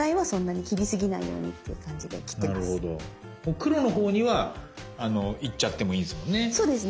黒のほうには行っちゃってもいいんですもんね。